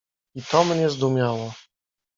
"I to mnie zdumiało."